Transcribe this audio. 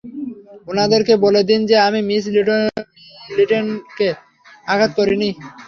উনাদেরকে বলে দিন যে আমি মিস লিনেটকে আঘাত করিনি!